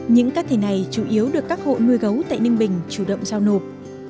những cá thể này chủ yếu được các hộ nuôi gấu tại ninh bình chủ động giao nộp